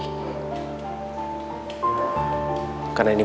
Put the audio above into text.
karena ini bukanlah